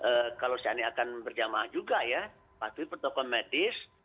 ya kalau seandainya akan berjamaah juga ya patuhi protokol medis